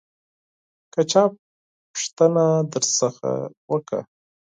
که چا پوښتنه درڅخه وکړه